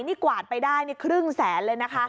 นี่กวาดไปได้นี่ครึ่งแสนเลยนะคะ